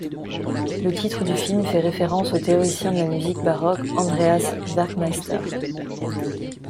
Le titre du film fait référence au théoricien de la musique baroque Andreas Werckmeister.